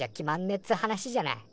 っつう話じゃない。